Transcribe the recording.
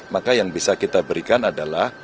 maka yang bisa kita berikan adalah